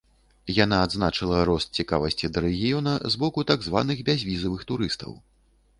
Яна адзначыла рост цікавасці да рэгіёна з боку так званых бязвізавых турыстаў.